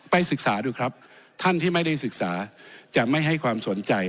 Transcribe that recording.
ศึกษาดูครับท่านที่ไม่ได้ศึกษาจะไม่ให้ความสนใจ